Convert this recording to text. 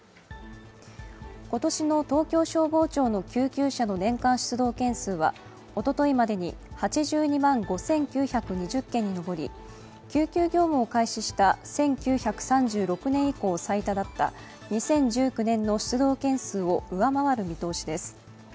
今年の東京消防庁の救急車の年間出動件数はおとといまでに８２万５９２０件に上り救急業務を開始した１９３６年以降最多だった２０１９年の出動件数を上回る見通しです。